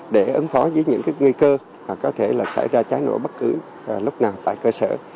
để ứng phó với những nguy cơ có thể xảy ra cháy nổ bất cứ lúc nào tại cơ sở